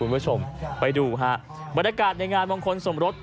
คุณผู้ชมไปดูฮะบรรยากาศในงานมงคลสมรส